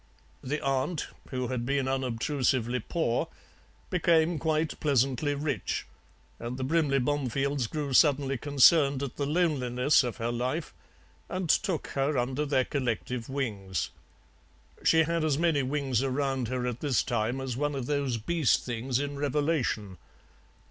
The aunt, who had been unobtrusively poor, became quite pleasantly rich, and the Brimley Bomefields grew suddenly concerned at the loneliness of her life and took her under their collective wings. She had as many wings around her at this time as one of those beast things in Revelation."